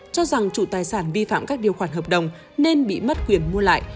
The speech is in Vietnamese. cho rằng chủ tài sản vi phạm các điều khoản hợp đồng nên bị mất quyền mua lại